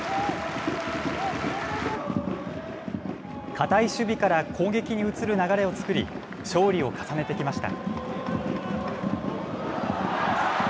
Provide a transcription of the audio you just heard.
堅い守備から攻撃に移る流れを作り、勝利を重ねてきました。